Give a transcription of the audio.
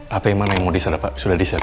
hp mana yang mau disadap pak sudah di siap